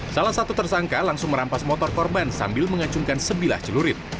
salah satu tersangka langsung merampas motor korban sambil mengacungkan sebilah celurit